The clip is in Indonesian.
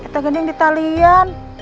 kita gini di talian